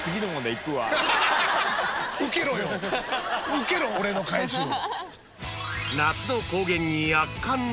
受けろ俺の返しを。